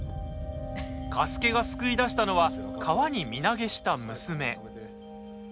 加助が救い出したのは川に身投げした娘。